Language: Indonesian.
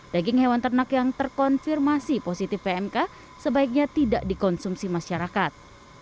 daging hewan ternak yang terkonfirmasi positif pmk sebaiknya tidak dikonsumsi masyarakat